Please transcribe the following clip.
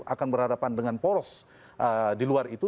akan berhadapan dengan poros di luar itu